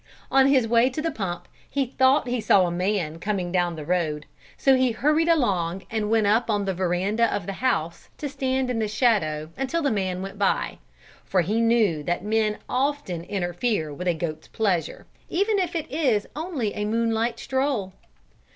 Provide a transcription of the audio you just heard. On his way to the pump he thought he saw a man coming down the road, so he hurried along and went up on the veranda of the house to stand in the shadow until the man went by, for he knew that men often interfere with a goat's pleasure, even if it is only a moonlight stroll.